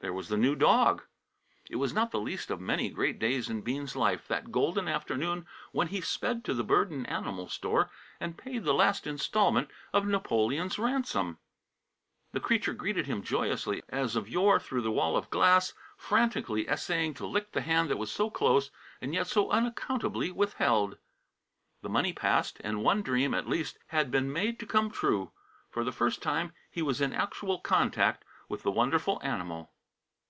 There was the new dog. It was not the least of many great days in Bean's life, that golden afternoon when he sped to the bird and animal store and paid the last installment of Napoleon's ransom. The creature greeted him joyously as of yore through the wall of glass, frantically essaying to lick the hand that was so close and yet so unaccountably withheld. The money passed, and one dream, at least, had been made to come true. For the first time he was in actual contact with the wonderful animal.